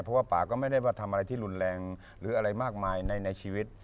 เพราะว่าป่าก็ไม่ได้ว่าทำอะไรที่รุนแรงหรืออะไรมากมายในชีวิต